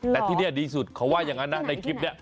แต่ที่นี่ดีสุดเขาว่าอย่างนั้นนะในคลิปนี้